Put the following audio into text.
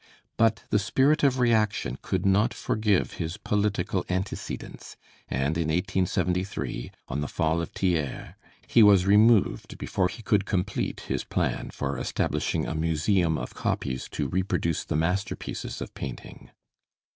But the spirit of reaction could not forgive his political antecedents; and in 1873, on the fall of Thiers, he was removed before he could complete his plan for establishing a museum of copies to reproduce the masterpieces of painting.